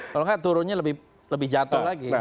kalau nggak turunnya lebih jatuh lagi